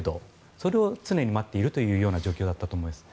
それを常に待っているという状況だったと思います。